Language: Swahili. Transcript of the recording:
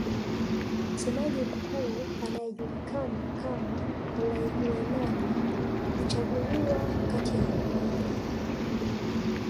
Msemaji Mkuu anayejulikana kama Olaiguenani huchaguliwa kati ya wavulana